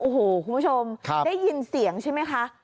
โอ้โหคุณผู้ชมได้ยินเสียงใช่ไหมคะ